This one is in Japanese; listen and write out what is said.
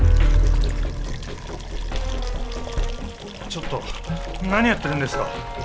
ちょっと何やってるんですか？